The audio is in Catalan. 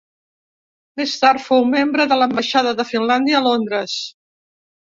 Més tard fou membre de l'ambaixada de Finlàndia a Londres.